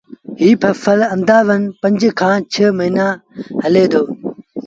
ايٚ ڦسل با آݩدآزن پنج کآݩ ڇه موهيݩآݩ هلي دو